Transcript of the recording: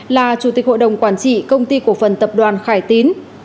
là chủ tịch hội đồng quản trị công ty cổ phần tập đoàn khải tín